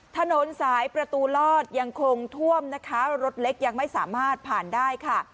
ถนนสายประตูลอดยังคงท่วมนะคะรถเล็กยังไม่สามารถผ่านได้ค่ะ